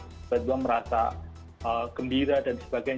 tiba tiba merasa gembira dan sebagainya